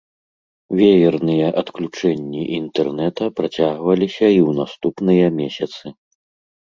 Веерныя адключэнні інтэрнета працягваліся і ў наступныя месяцы.